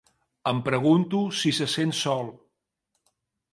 Em pregunto si se sent sol.